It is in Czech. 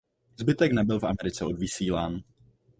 Zbytek nebyl v Americe odvysílán.